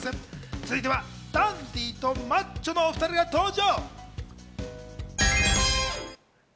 続いてはダンディーとマッチョのお２人が登場。